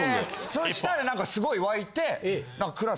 そしたらすごい沸いて。